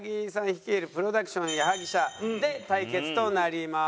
率いるプロダクション矢作舎で対決となります。